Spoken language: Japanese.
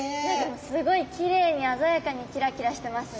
すごいきれいにあざやかにキラキラしてますね。